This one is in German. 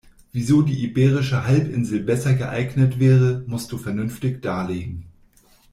Wieso die iberische Halbinsel besser geeignet wäre, musst du vernünftig darlegen.